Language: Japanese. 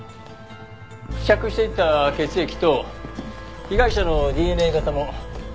付着していた血液と被害者のＤＮＡ型も一致しました。